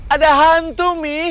ada hantu mi